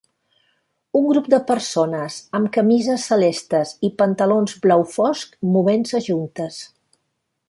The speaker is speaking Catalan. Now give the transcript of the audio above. Un grup de persones amb camises celestes i pantalons blau fosc movent-se juntes